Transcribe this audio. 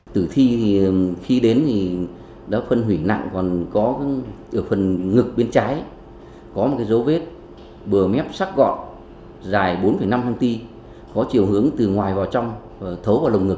tử thi thì khi đến thì đã phân hủy nặng còn có ở phần ngực bên trái có một dấu vết bờ mép sắc gọn dài bốn năm cm có chiều hướng từ ngoài vào trong thấu vào lồng ngực